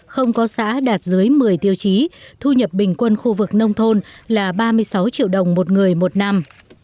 không có xã đạt dưới một mươi tiêu chí thu nhập bình quân khu vực nông thôn là ba mươi sáu triệu đồng một người một năm